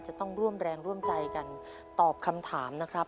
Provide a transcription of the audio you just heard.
จะต้องร่วมแรงร่วมใจกันตอบคำถามนะครับ